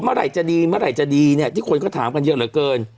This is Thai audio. เมื่อไหร่จะดีเมื่อไหร่จะดีเนี่ยที่คนก็ถามกันเยอะเหลือเกิน